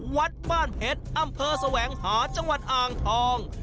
วัดบ้านเพชรอำเภอแสวงหาจังหวัดอ่างทอง